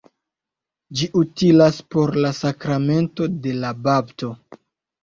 Ĝi utilas por la sakramento de la bapto.